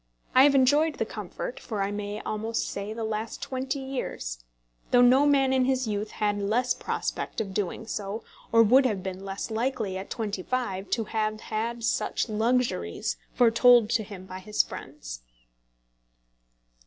I have enjoyed the comfort for I may almost say the last twenty years, though no man in his youth had less prospect of doing so, or would have been less likely at twenty five to have had such luxuries foretold to him by his friends.